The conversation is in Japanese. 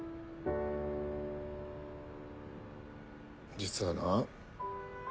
実はな。